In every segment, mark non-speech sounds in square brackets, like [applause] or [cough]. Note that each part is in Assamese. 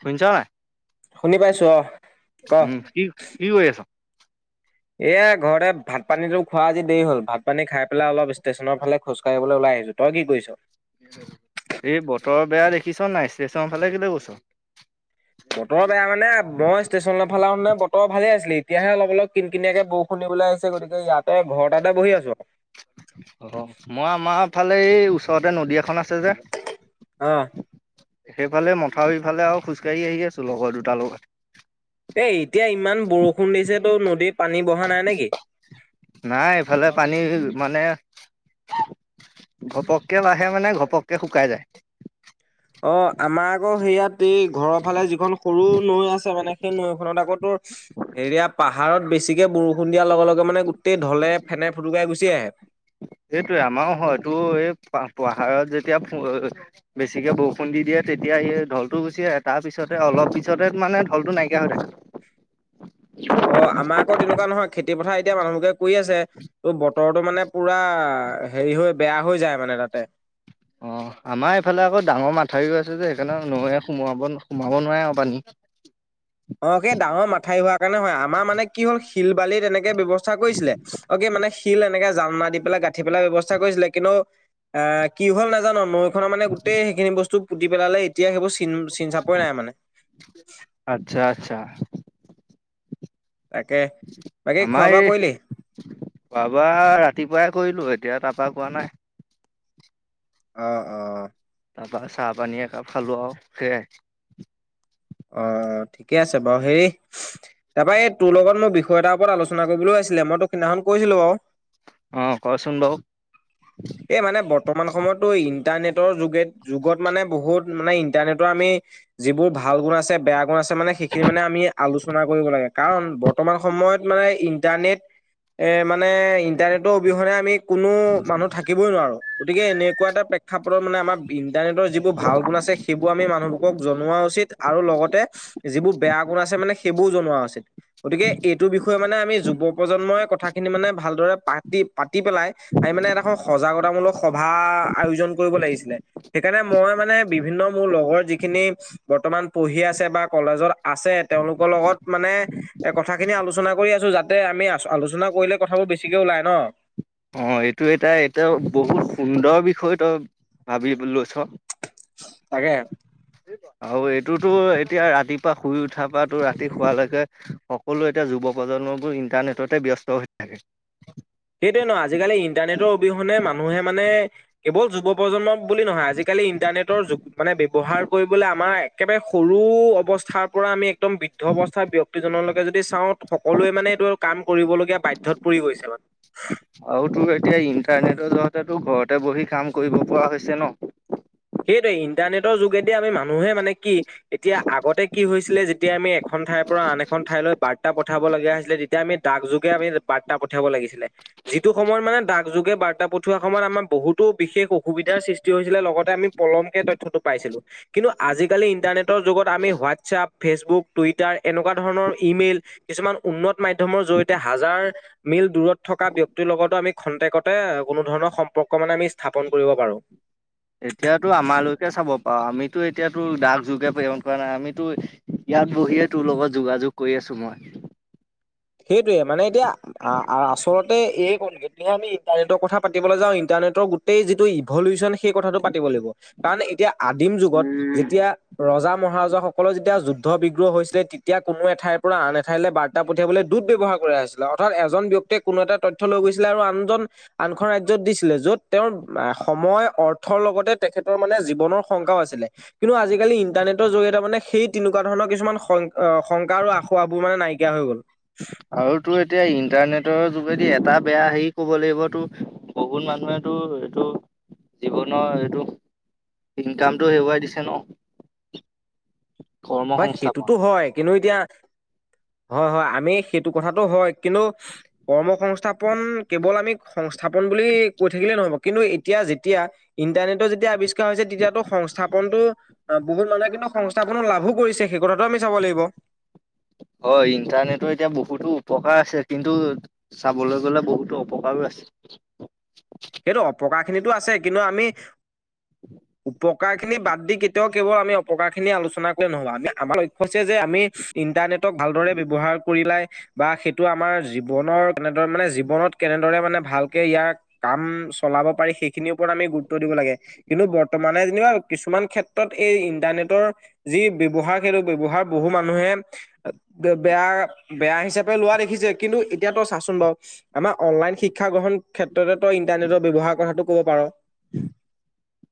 শুনিছ নাই? শুনি পাইছো অ ক উম কি কি কৰি আচ? এ ঘৰতে ভাত পানীতো খোৱা আজি দেৰি হ'ল। ভাত পানী খাই পেলাই অলপ ষ্টেচনৰ ফালে খোজকাঢ়ি ওলাই আহিছো তই কি কৰিছ। কিচন নাই ষ্টেচনৰ ফালে কিলৈ কৈছ। বতৰ বেয়া মানে। মই ষ্টেচন ফালে মানে বতৰ ভালে আছিলে এতিয়াহে অলপ অলপ কিন কিনিয়াকে গতিকে ইয়াকে বৰষুণ দিবলৈ আহিছে গতিকে ইয়াত ঘৰতে এতে বহি আছো। অ' মই আমাৰ ফালে এই ওচৰতে নদী এখন আছে। অ তাতে সেইফালে মথাউৰিফালে আৰু খোজকাঢ়ি আহি আছো লগৰ দুটা লগত। এ এতিয়া ইমান বৰষুণ দিছে তো নদীত। পানী বঢ়া নাই নেকি নাই ইফালে পানী মানে। ঘপককে বাঢ়ে মানে ঘপককে শুকাই যায়। অ', আমাৰ আকৌ সেইয়াত তেই ঘৰৰ ফালে যিখন সৰু নৈ আছে মানে সেই নৈখনত আকৌ তোৰ হেৰিয়া পাহাৰত বে বেছিকে বৰষুণ দিয়াৰ লগে, লগে মানে গোটেই ঢলে, ফেনে, ফুটুকাই গুচি আহে। এইটোয়ে আমাৰো হয়, তোৰ এই পা-পাহাৰত যেতিয়া [unintelligible] বেছিকে বৰষুণ দি দিয়ে তেতিয়া এই ঢলটো গুচি আহে, তাৰপিছতে অলপপিছতে মানে ঢলটো নাইকিয়া হৈ থাকে। অ', আমাৰ আকৌ তেনেকুৱা নহয়, খেতি পথাৰ এতিয়া মানুহ [unintelligible] কৰি আছে অ', বত বতৰটো মানে পুৰা হেৰি হৈ বেয়া হৈ যায় মানে তাতে। অ', আমাৰ এইফালে আকৌ ডাঙৰ মাথাউৰিয়ো আছে যে, সেইকাৰণে নৈয়ে সোমোৱাব, সোমাব নোৱাৰে আৰু পানী। অ', সেই ডাঙৰ মাথাউৰি হোৱা কাৰণে হয়, আমাৰ মানে কি হ'ল, শিল, বালিৰ এনেকে ব্যৱচ চা কৰিছিলে অ মানে শিল এনেকে জাননা দি পেলাই গাঁঠি পেলাৰ ব্যৱস্থা কৰিছিলে কিন্তু এ কি হল নাজানো। নৰ মানে গোটেই সেইখিনি বস্তু পুতি পেলালে এতিয়া সেইবোৰ চিন চিন চাপই নাই মানে আচ্ছা আচ্ছা,, তাকে বাকী খোৱা আমাৰ বোৱা এই কৰিলি বাবা ৰাতিপুৱাই কৰিলো। এতিয়া তাৰপৰা কোৱা নাই অঁ অঁ তাপা, চাহ পানী একাপ খালোঁ আৰু সেইয়াই। অ ঠিকে আছে বাৰু, হেৰি তাৰপৰা এই তোৰ লগত মোৰ বিষয় এটাৰ ওপৰত আলোচনা কৰিবলৈও আছিলে মই তো সিদিনাখন কৰিছিলো বাৰু- অঁ' কচোন বাৰু এই মানে বৰ্তমান সময়তো ইণ্টাৰনেটৰ যে যুগত মানে বহুত মানে ইণ্টাৰনেটৰ আমি যিবোৰ ভাল গুণ আছে বেয়া গুণ আছে সেইখিন মানে আমি আলোচনা কৰিব লাগে কাৰণ বৰ্তমান সময়ত মানে ইন্টাৰনেট এ মানে ইণ্টাৰনেটৰ অবিহনে আমি কোনো মানুহ থাক গতিকে এনেকুৱা এটা প্ৰেক্ষাপটত মানে আমাৰ ইণ্টাৰনেটৰ যিবোৰ ভাল গুণ আছে সেইবোৰ আমি মানুহবোৰকক জনোৱা উচিত আৰু লগতে যিবোৰ বেয়া গুণ আছে মানে সেইবোৰও জনোৱা উচিত গতিকে এইটো বিষয়ে মানে আমি যুৱ প্ৰজন্মই কথাখিনি মানে ভালদৰে প পাতি পেলাই মানে এটা সজাগতাামূলক সভা আয়োজন কৰিব লাগিছিলে সেইকাৰণে মই মানে বিভিন্ন মোৰ লগৰ যিখিনি বৰ্তমান পঢ়ি আছে বা কলেজত আছে তেওঁলোকৰ লগত মানে এ কথাখিনি আলোচনা আ, কৰি আছো যাতে আমি আছো-আলোচনা কৰিলে কথাবোৰ বেছিকে ওলাই ন। অ'এইটো এটা এইটো বহুত সুন্দৰ বিষয় তই ভাবিব লৈছ। তাকে। আৰু এইটোতো এতিয়া ৰাতিপুৱা শুই উঠাৰ পৰাতো ৰাতি শুৱালৈকে সকলো এতিয়া যুৱ প্ৰজন্ম নবোৰ ইণ্টাৰনেটতে ব্যস্ত হৈ থাকে। কিয়নো আজিকালি ইন্টাৰনেটৰ অবিহনে মানুহে মানে কেৱল যুৱৱ প্ৰজন্মক বুলি নহয় আজিকালি ইন্টাৰনেট নেটৰ যোগ মানে ব্যৱহাৰ কৰিবলৈ আমাৰ একেবাৰে সৰু অৱস্থাৰ পৰা আমি একদম বৃদ্ধৱস্থাৰ ব্যক্তিজনলৈকে যদি চাওঁ সকলোৱে মানে এইটো কাম কৰিবলগীয়া বাধ্যত পৰি গৈছে মানে। আৰু তোৰ এতিয়া ইন্টাৰনেটৰ জয়তে তোৰ ঘৰতে বহি কাম কৰিব পৰা হৈছে ন? সেইটোৱে ইণ্টাৰনেটৰ যোগেদি আমি মানুহে মানে কি এতিয়া আগতে কি হৈছিলে যেতিয়া আমি এখন এখন ঠাইৰ পৰা আন এখন ঠাইলৈ বাৰ্তা পঠাব লগীয়া হৈছিলে তেতিয়া আমি ডাক যোগে আমি বাৰ্তা পঠিয়াব লাগিছিলে। যিটো সময়ত মানে ডাক যোগে বাৰ্তা পঠিওৱা সময়ত আমাৰ বহুতো বিশেষ অসুবিধাৰ সৃষ্টি হৈছিলে লগতে আমি পলমকে তথ্যটো পাইছিলোঁ, কিন্তু আজিকালি ইণ্টাৰনেটৰ যুগত আমি হোৱাটচ্ছাপ ফেচবুক, টুইটাৰ এনেকুৱা ধৰণৰ ইমেইল কিছুমান উন্নত মাধ্যমৰ জৰিয়তে হাজাৰ মিল দূৰত থকা ব্যক্তিৰ লগতো আমি খন্তেকতে কোনো ধৰণৰ সম্পৰ্ক মানে আমি স্থাপন কৰিব পাৰো। আমালোককে চাব পাওঁ আমি তোৰ এতিয়া তোৰ ডাক যুগে প্ৰেৰণ কৰা নাই, আমিতো ইয়াত বহিয়ে তোৰ লগত যোগাযোগ কৰি আছো মই। [inaudible] সেইটোয়ে মানে এতিয়া আ-আ-আচলতে এই কলটেকে আমি ইণ্টাৰনেটৰ কথা পাতিবলৈ যাওঁ ইণ্টাৰ ইণ্টাৰনেটৰ গোটেই যিটো ইভলিউচন সেই কথাটো পাতিব লাগিব, কাৰণ এতিয়া আদিম যুগত যেতিয়া ৰজা মহাৰাজাসকলৰ যেতিয়া যুদ্ধ বিগ্ৰহ হৈছিলে তেতিয়া কোনো এঠাইৰ পৰা আন এঠাইলৈ বাৰ্তা প্ৰতি পঠিয়াবলৈ দুত ব্যৱহাৰ কৰা হৈছিলে অৰ্থাৎ এজন ব্যক্তিয়ে কোনো এটা তথ্য লৈ গৈছিলে আৰু আনজন আনখন ৰাজ্যত দিছিল ছিলে য'ত তেওঁৰ সময় অৰ্থৰ লগতে তেখেতৰ মানে জীৱনৰ শংকাও আছিলে কিন্তু আজি আজিকালি ইন্টাৰনেটৰ জৰিয়তে মানে সেই তেনেকুৱা ধৰণৰ কিছুমান শইং-শংকা আৰু আখুৱাবোৰ মানে নাইকিয়া হৈ গ'ল। আৰু তোৰ এতিয়া ইন্টাৰনেটৰ যোগেদি এটা বেয়া হেৰি ক'ব লাগিবতো বহুত মানুহেটো এইটো জীৱনৰ এইটো ইনকামটো হেৰুৱাই দিছে ন? কৰ্ম হয় সংস্থাপন সেইটোতো হয় কিন্তু এতিয়া, হয়, হয় আমি সেইটো কথাটো হয়। কিন্তু কৰ্মসংস্থাপন কেৱল আমি সংস্থাপন বুলি কৈ থাকিলে নহব কিন্তু এতিয়া যেতিয়া ইন্টাৰনেটৰ যেতিয়া আৱিষ্কাৰ হৈছে তেতিয়াাতো সং সংস্থাপনতো বহুত মানুহে কিন্তু সংস্থাপন লাভো কৰিছে সেই কথাটো আমি চাব লাগিব হয় ইন্টাৰনেটৰ এতিয়া বহুতো উপকাৰ আছে, কিন্তু চাবলৈ গ'লে বহুতো অপকাৰো আছে। সেইটো অপকাৰ খিনিতো আছে কিন্তু আমি উপ কাৰ খিনি বাদ দি কেতিয়াও কেৱল আমি অপকাৰ খিনি আলোচনা কৰিলে নহব আমি আমাৰ লক্ষ্য হৈছে যে আমি ইণ্টাৰনেট ভালদৰে ব্যৱহাৰ কৰিলাই বা সেইটো আমাৰ জীৱনৰ কেনেদৰে মানে জীৱনত কেনেদৰে মানে ভালকে ইয়াক কাম চলাব পাৰি সেইখিনিৰ ওপৰত আমি গুৰুত্ব দিব লাগে, কিন্তু বৰ্তমানে যেনিবা কিছুমান ক্ষেত্ৰত এই ইন্টাৰনেটৰ যি ব্যৱহাৰ সেইটো ব্যৱহাৰ বহু মানুহে বে-বেয়া বেয়া হিচাপে লোৱা দেখিছে কিন্তু এতিয়াতো চাচোন বাৰু আমাৰ অনলাইন শিক্ষা গ্ৰহণ ক্ষেত তই ইন্টাৰনেটৰ ব্যৱহাৰ কথাটো ক'ব পাৰ।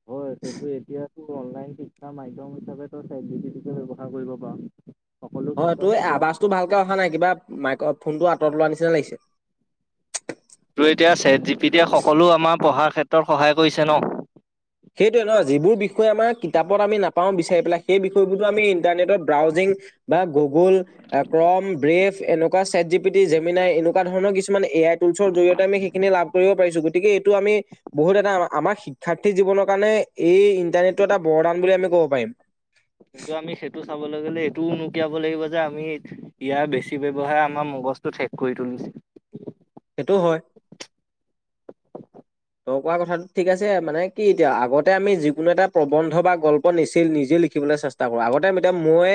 হয়। হেইটো এতিয়াতো অনলাইন শিক্ষা মাধ্যম হিচাপ তই চাট জি পি টি টো ব্যৱহাৰ কৰিব পাৰ। সকলো হয়, ক্ষেত্ৰত তই এতিয়া আৱাজটো ভালকে অহা নাই কিবা মাইক অফ ফোনতটো আতৰত লোৱাৰ নিচিনা লাগিছে। তোৰ এতিয়া ছেট জি পি টিয়ে সকলো আমাৰ পঢ়াৰ ক্ষেত্ৰত সহায় কৰিছে ন? সেইটোৱে নহয় যিবোৰ বিষয় আমাৰ কিতাপত আমি নাপাওঁ বিচাৰি পেলাই সেই বিষয়বোৰতো আমি ইণ্টাৰনেটত ব্ৰাউজিং বা গুগল ক্ৰম ব্ৰেফ, এনেকোৱা শেট জি পিটি জেমিনাই এনেকোৱা ধৰছুমান এ আই টুলছৰ জৰিয়তে আমি সেইখিনি লাভ কৰিব পাৰিছো গতিকে এইটো আমি বহুত এটা আমাৰ শিক্ষাৰ্থী- জীৱনৰ কাৰণে এই ইন্টাৰনেটো এটা বৰদান বুলি আমি ক'ব পাৰিম কিন্তু আমি সেইটো চাবলৈ গ'লে এইটোও নুকিয়াব লাগিব যে আমি ইয়াৰ বেছি ব্যৱহাৰ আমাৰ মগ জছটো ঠেক কৰি তুলিছে সেইটো হয় তই কোৱা কথাটো ঠিক আছে মানে কি এতিয়া আগতে আমি যিকোন এটা প্ৰবন্ধ বা গল্প নিচল নিজে লিখিব বলে চেষ্টা কৰোঁ আগতে এতিয়া মই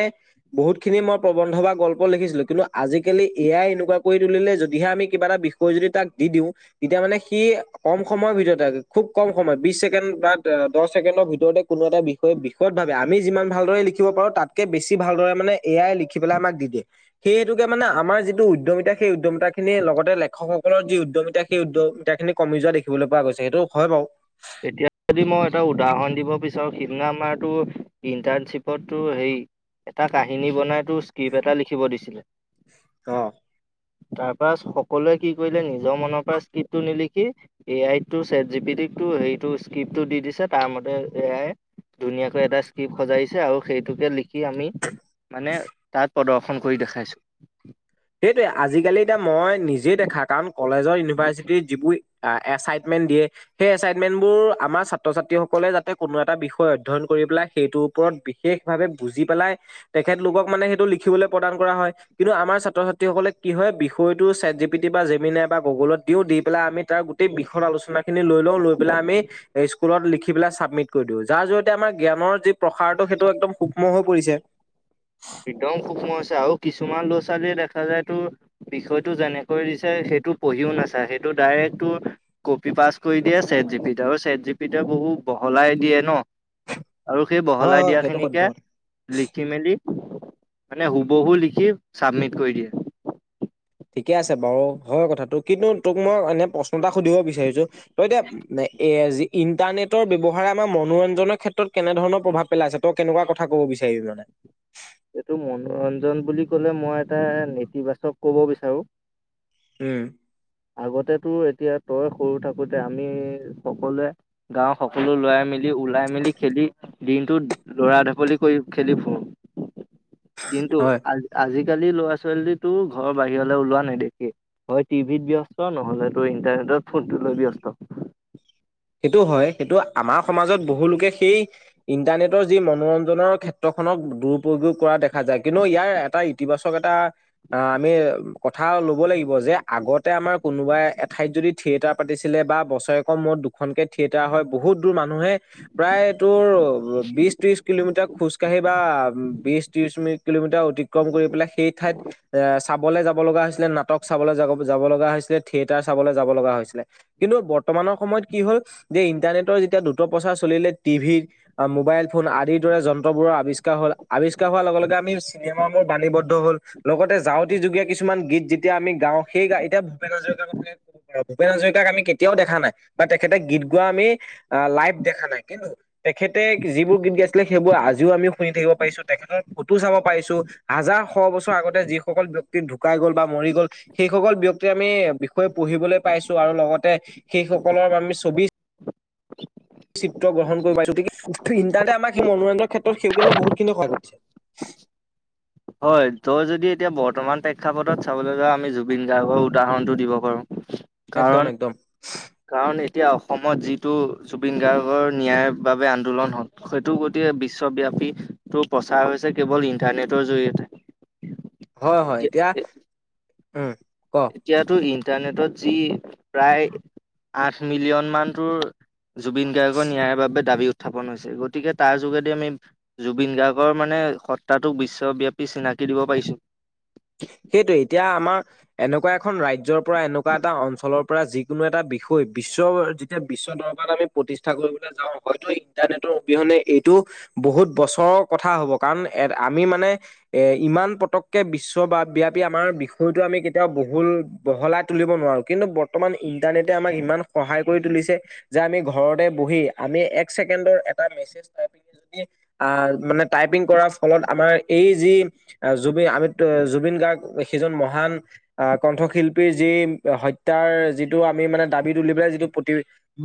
বহুত খিনি মই প্ৰবন্ধ বা গল্প লিখিছিলো কিন্তু আজিকালি এই আই এনেকুৱা কৰি তুলিলে যদিহে আমি কিবা এটা বিষয় যদি তাক দি দিওঁ তেতিয়া মানে সি কম সময়ৰ ভিতৰতে খুব কম সময় বিশ ছেকেণ্ড বা দহ ছেকেণ্ডৰ ভিতৰতে কোনো এটা বিষয়ে বিষয়ত আমি যিমান ভালদৰে লিখিব পাৰো তাতকে বেছি ভালদৰে মানে এয়াই লিখি পেলাই আমাক দি দিয়ে সেই হেতুকে মানে না আমাৰ যিটো উদ্যমিতা সেই উদ্যমিতা খিনি লগতে লেখকসকলৰ যি উদ্যমিতা সেই উদ্যমিতা খিনি কমি যোৱা দেখিবলৈ পোৱা গৈছে সেইটো হয় বাও এতিয়া যদি মই এটা উদাহৰণ দিব বিচাৰো সিদিনা আমাৰতো ইণ্টাৰ্ণশ্বিপতো সেই এটা কাহিনী বনাই তোৰ স্ক্ৰিপ্ট এটা লিখিব দিছিলে অ তাৰপা সকলোৱে কি কৰিলে নিজৰ মনৰ পৰা স্কিটটো নিলিখি এ আই টো ছেট জি বি টি টো হেৰিতটো স্ক্ৰিপটো দি দিছে তাৰ মতে এয়াই ধুনাকৈ এটা স্কিপ্ট সজাইছে আৰু সেইটোকে লিখি সি আমি মানে তাত প্ৰদৰ্শন কৰি দেখাইছোঁ। সেইটোৱে আজিকালি এতিয়া মই নিজেই দেখা কাৰণ কলেজৰ ইউনিভাৰ্চিটিৰ যিবোৰ এচাইনমেন্ট দিয়ে সেই এচাইনমেন্ট বোৰ আমাৰ ছাত্ৰ ছাত্ৰীসকলে যাতে কোনো এটা বিষয় অধ্যয়ন, পেলাই সেইটোৰ ওপৰত বিশেষ ভাৱে বুজি পেলাই তেখেতলোকক মানে সেইটো লিখিবলৈ প্ৰদান কৰা হয়। কিন্তু আমাৰ ছাত্ৰ-ছাত্ৰীসকলে কি হয় বিষয়টো ছেট জি পিটি বা গুগলত দিও দি পেলাই আমি তাৰ গোটেই বিষত আলোনা খিনি লৈ লওঁ লৈ পেল আমি স্কুলত লিখিবিলাক চাবমিট কৰি দিও, যাৰ জয়তে আমাৰ জ্ঞৰ যি প্ৰসাৰটো সেইটো একদম সুক্ষ্ম হৈ পৰিছে। [inaudible] একদম সূক্ষ্ম হৈছে আৰু কিছুমান ল'ৰা-ছোৱালীয়ে দেখা যায় তো বিষয়টো যেনেকৈ দিছে। সেইটো পঢ়িও নাচা সেইটো ডাইৰেক্ট তোৰ কপি পাছ কৰি দিয়ে ছেট জি পি দিত আৰু ছেট জি পি বহু বহলাই দিয়ে ন আৰু সেই হয় বহলাই হয় দিয়া সেইটো সত্য খিনিকে কথা লিখি মেলি মানে হুবহু লিখি চাবমিট কৰি দিয়ে। ঠিকে আছে বাৰু হয় কথাটো কিন্তু তোক মই এনে প্ৰশ্ন এটা সুধিব বিচাৰিছো তই এতিয়া, এ ইণ্টাৰনেটৰ ব্যৱহাৰে আমাৰ মনোৰঞ্জনৰ ক্ষেত্ৰত কেনেধৰণৰ প্ৰভাৱ পেলাইছে তই কেনেকুৱা কথা কব বিচৰা। ানে [unintelligible] এইটো মনোৰঞ্জন বুলি কলে মই এটা নেতিবাচক ক'ব বিচাৰো। উম, আগতেতো এতিয়া তই সৰু থাকোতে আমি সকলোৱে গাও সকলো লৰাই মিলি, ওলাই মেলি খেলি দিনটো লৰা ঢাপলি কৰি খেলি ফুৰো। কিন্তু হয় আজি-আজি আজিকালি ল'ৰা-ছোৱালী তো ঘৰ বাহিৰলৈ ওলোৱা নাইদেখি হয় টিভিত ব্যস্ত নহলে তো ইন্টাৰনেট, ত ফোনক লৈ ব্যস্ত। সেইটো হয় সেইটো আমাৰ সমাজত বহুলোকে সেই ইন্টাৰনেটৰ যি মনোৰঞ্জ ক্ষেত্ৰখনক দুপয়োগ কৰা দেখা যায় কিন্তু ইয়াৰ এটা ইতিবাচক এটা আমি কথা ল'ব লাগিব যে আগতে আমাৰ কোনোবাই এঠাইত যদি থিয়েটাৰ পাতিছিল বা বছৰেকৰ মূৰত দুখনকে থিয়েটাৰ হয় বহুত দূৰ মানুহ মানে প্ৰায় তোৰ বিচ-ত্ৰিচ কিলোমিটাৰ খোজকাঢ়ি বা বিচ-ত্ৰিচ মিট কিলোমিটাৰ অতিক্ৰম কৰি পেলাই সেই ঠাইত চাবলৈ যাব লগা হৈছিলে নাটক চাবলৈ যাব যাব লগা হৈছিলে, থিয়েটাৰ চাবলৈ যাব লগা হৈছিলে কিন্তু বৰ তমানৰ সময়ত, কি হ'ল যে ইন্টাৰনেটৰ যেতিয়া দ্ৰুত প্ৰচাৰ চলিলে টি ভি মোবাইল ফোন আদিৰ দৰে যন্ত্ৰবোৰৰ আৱি ষ্কাৰ হল আৱিষ্কাৰ হোৱাৰ লগে-লগে আমি চিনেম মোৰ বাণীবদ্ধ হ'ল লগতে যাউ যুগীয়া কিছুমান গীত যেতিয়া আমি গাওঁ সেই এতিয়া ভূপেন হাজৰিকাৰ কথা ক'ব পাৰো ভূপেন হাজৰিকাক আমি কেতিয়াও দেখা নাই। বা তেখেতে গীত গোৱা আমি লাইভ দেখা নাই কিন্তু তেখেতে যিবোৰ গীত গাইছিলে সেইবোৰ আজি আজিও আমি শুনি থাকিব পাৰিছো তেখেতৰ ফটো চাব পাৰিছো হাজাৰ শ বছৰ আগতে যিসকল ব্যক্তি ঢুকাই গ'ল বা মৰি গ'ল সেইসকল ব্যক্তিৰ আমি বিষয়ে পঢ়িবলৈ পাইছো আৰু লগতে সেই সকলৰ আমি ছবি চিত্ৰ গ্ৰহণ কৰিব গতিকে ইণ্টাৰনেটে আমাক সেই মনোৰঞ্জনৰ ক্ষেত্ৰত সেই বহুতখিনি সহায় কৰিছে। [inaudible] হয় তই যদি এতিয়া বৰ্তমান প্ৰেক্ষাপটত চাবলৈ যাোৱা আমি জুবিন গাৰ্গৰ উদাহৰণটো দিব পাৰো। কাৰণ একদম-একদম। কাৰণ এতিয়া অসমত যিটো জুবিন গাৰ্গৰ ন্যায়ৰ বাবে আন্দোলন হল সেইটো গোটেই বিশ্বব্যাপী টো প্ৰচাৰ হৈছে কেৱল ইন্টাৰনেটৰ জৰিয়তে। হয়-হয় এতিয়া উম, ক এতিয়াতো ইণ্টাৰনেটত যি প্ৰায় আঠ মিলিয়ন মান টোৰ জুবিন গাৰ্গৰ ন্যায়ৰ বাবে দাবী উত্থাপন হৈছে গতিকে তাৰ যোগেদি আমি জুবিন গাৰ্গৰ মানে সত্ত্বাটোক বিশ্বব্যাপী চিনাকি দিব পাৰিছো। সেইটোৱেই এতিয়া আমাৰ এনেকুৱা, এখন ৰাজ্যৰ পৰা এনেকুৱা এটা অঞ্চলৰ পৰা যিকোনো এটা বিষয় বিশ্ব যেতিয়া বিশ্ব দৰবাৰত আমি প্ৰতি- প্ৰতিষ্ঠা কৰিবলৈ যাওঁ হয়তো ইণ্টাৰনেটৰ অবিহনে এইটো বহুত বছৰৰ কথা হ'ব কাৰণ আমি মানে এ ইমান পতককে বিশ্ব ব্যাপী আমাৰ বিষয়টো আমি কেতিয়াও বহুল বহলাই তুলিব নোৱাৰো কিন্তু বৰ্তমান ইণ্টাৰনেটে আমাক ইমান সহায় কৰি তুলিছে যে আমি ঘৰতে বহি আমি এক চেকেণ্ডৰ এটা মেছেজ টাইপি যদি মানে টাইপ -পিং কৰাৰ ফলত আমাৰ যি আমি জুবিন গাৰ্গ সিজন মহান আহ কণ্ঠশিল্পীৰ যি হত্যাৰ যিটো আমি মানে দাবী তুলি পেলাই যিটো প্ৰতি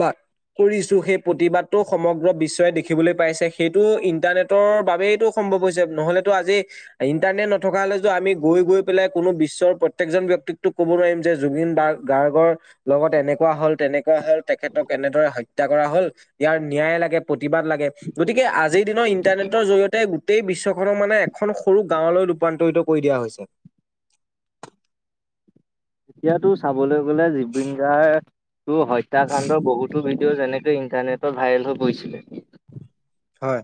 বাদ- কৰিছো সেই প্ৰতিবাদটো সমগ্ৰ বিশ্বই দেখিবলৈ পাইছে সেইটো ইন্টাৰনেটৰ বাবেইটো সম সম্ভৱ হৈছে। নহলেতো আজি ইন্টাৰনেট নথকা হ'লে আমি গৈ গৈ পেলাই কোনো বিশ্বৰ প্ৰত্যেকজন ব্যক্তিকতো ক'ব নোৱাৰিম যে জুবিন বাৰ গাৰ্গৰ লগত লগত এনেকুৱা হল তেনেকুৱা হল তেখেতক এনেদৰে হত্যা কৰা হল ইয়াৰ ন্যায় লাগে, প্ৰতিবাদ লাগে। গতিকে আজিৰ দিনৰ ইণ্টাৰনেটৰ জৰিয়তে গোটেই বিশ্বখনৰ মানে এখন সৰু গাঁৱলৈ ৰূপান্তৰিত কৰি দিয়া হৈছে। এতিয়াতো চাবলৈ গ'লে জুবিন গাৰ টো হত্যাকাণ্ডৰ বহুতো অ যেনেকে ইন্টাৰনেটত ভাইৰেল হৈ পৰিছিল। হয়।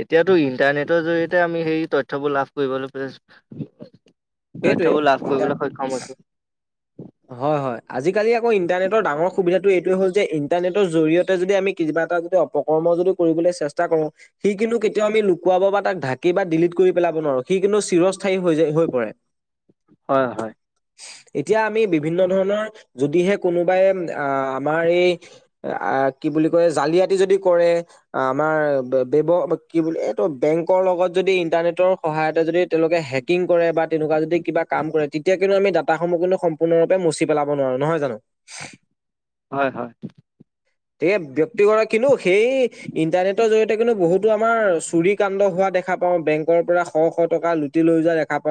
এতিয়াতো ইন্টাৰনেটৰ জৰিয়তে আমি সেই তথ্যবোৰ লাভ কৰিবলৈ পাইছো। সেইটোৱে তথ্যবোৰ লাভ ইণ্টাৰ কৰিবলৈ সক্ষম হৈছো। হয় হয় আজিকালি আকৌ ইন্টাৰনেটৰ ডাঙৰ সুবিধাটো এইটোয়ে হ'ল যে ইন্টাৰনেটৰ জৰিয়তে যদি আমি কিবা এটা যদি অপকৰ্মও যদি কৰিবলৈ চেষ্টা কৰো সি কিন্তু কেতিয়াও আমি লুকুৱাব বা তাক ঢাকি বা ডিলিট কৰি - পেলাব নোৱাৰো সি কিন্তু চিৰস্থায়ী হৈ যায়, হৈ পৰে। হয় হয়। এতিয়া আমি আমি বিভিন্ন ধৰণৰ যদিহে কোনোবাই আমাৰ এই কি বুলি কয় জালিয়াতি যদি কৰে আমাৰ কি বুলি এইটো বেংকৰ লগত যদি ইন্টাৰনেট সহায়তে যদি তেওঁলোকে হেকিং কৰে বা তেনেকুৱা যদি কিবা কাম কৰে তেতিয়া কিন্তু আমি ডাটাসমূহ কিন্তু সপূৰ্ণৰূপে মচি পেলাব নোৱাৰো নহয় জানো। হয় হয়। এ ব্যক্তিগৰাকীনো সেই ইন্টাৰনেটৰ জৰিয়তে কিন্তু বহুতো আমাৰ চুৰি কাণ্ড হ হোৱা দেখা পাওঁ বেংকৰ পৰা শ শ টকা লুটি লৈ যোৱা দেখা পাওঁ।